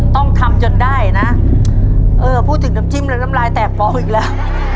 ต้องทำจนได้นะเออพูดถึงน้ำจิ้มแล้วน้ำลายแตกฟองอีกแล้ว